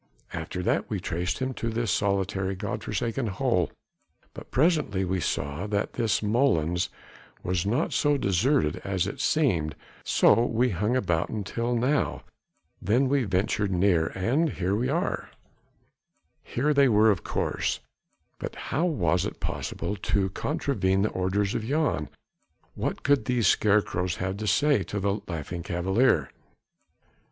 "After that we traced him to this solitary God forsaken hole, but presently we saw that this molens was not so deserted as it seemed, so we hung about until now ... then we ventured nearer ... and here we are." Here they were of course, but how was it possible to contravene the orders of Jan? What could these scarecrows have to say to the Laughing Cavalier?